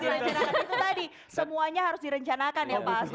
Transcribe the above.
itu tadi semuanya harus direncanakan ya pak rasto ya